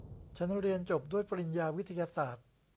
ฉันเรียนจบด้วยปริญญาวิทยาศาสตร์